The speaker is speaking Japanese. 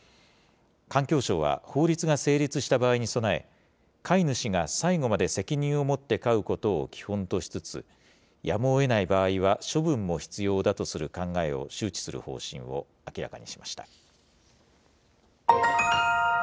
環境省は、法律が成立した場合に備え、飼い主が最後まで責任を持って飼うことを基本としつつ、やむをえない場合は処分も必要だとする考えを周知する方針を明らかにしました。